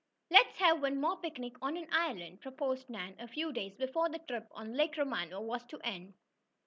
"Let's have one more picnic on an island!" proposed Nan, a few days before the trip on Lake Romano was to end.